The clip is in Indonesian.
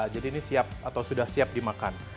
jadi ini siap atau sudah siap dimakan